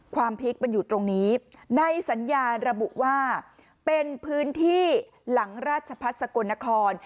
พลิกมันอยู่ตรงนี้ในสัญญาระบุว่าเป็นพื้นที่หลังราชพัฒน์สกลนคร